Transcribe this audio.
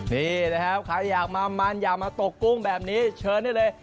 นี่นะครับใครอยากมามันอยากมาตกกุ้งแบบนี้เชิญได้เลย